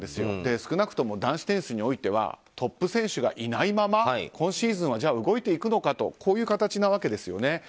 少なくとも男子テニスにおいてはトップ選手がいないまま今シーズンは動いていくのかとこういう形なんですよね。